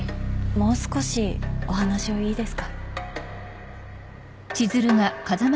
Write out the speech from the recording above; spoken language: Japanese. もう少しお話をいいですか。